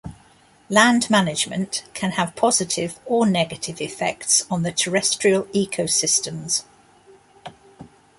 Land management can have positive or negative effects on the terrestrial ecosystems.